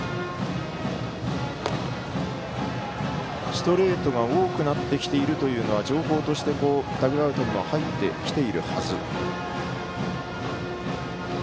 ストレートが多くなってきているというのは情報として、ダグアウトにも入ってきているはず。